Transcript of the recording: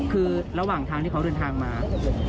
คือระหว่างทางที่เขาเดินทางมา